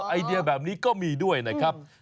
ไอเดียแบบนี้ก็มีด้วยนะครับ